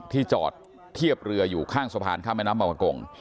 จอดเทียบเรืออยู่ข้างสะพานข้ามแม่น้ำบางประกง